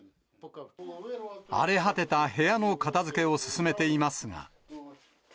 荒れ果てた部屋の片づけを進めていますが。